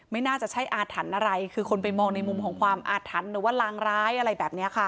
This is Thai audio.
ไม่น่าจะใช้อาถรรพ์อะไรคือคนไปมองในมุมของความอาถรรพ์